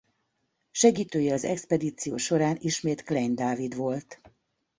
Segítője az expedíció során ismét Klein Dávid volt.